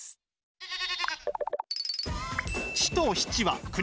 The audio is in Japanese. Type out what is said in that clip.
メェ！